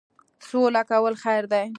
سوله کول خیر دی.